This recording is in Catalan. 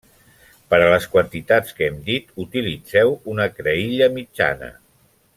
Per a les quantitats que hem dit, utilitzeu una creïlla mitjana.